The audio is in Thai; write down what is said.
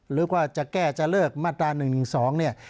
หรือว่าจะแก้จะเลิกมาตรหนึ่ง๒